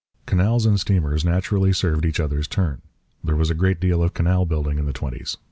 Canals and steamers naturally served each other's turn. There was a great deal of canal building in the twenties.